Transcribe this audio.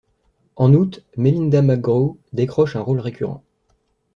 En août, Melinda McGraw décroche un rôle récurrent.